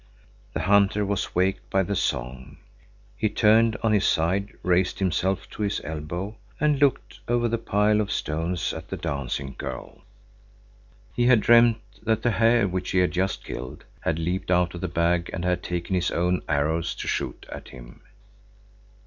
The hunter was waked by the song. He turned on his side, raised himself to his elbow, and looked over the pile of stones at the dancing girl. He had dreamt that the hare which he had just killed had leaped out of the bag and had taken his own arrows to shoot at him.